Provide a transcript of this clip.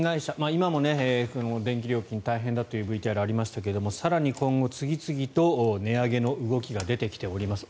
今も電気料金が大変だというＶＴＲがありましたが更に、今後次々と値上げの動きが出てきております。